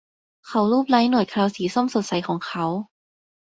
เขาลูบไล้หนวดเคราสีส้มสดใสของเขา